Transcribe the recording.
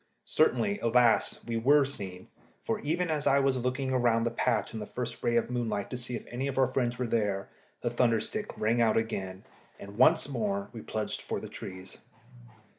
Certainly, alas! we were seen, for even as I was looking round the patch in the first ray of the moonlight to see if any of our friends were there, the thunder stick rang out again, and once more we plunged for the trees.